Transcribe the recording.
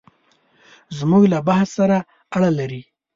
زموږ له بحث سره اړه لري.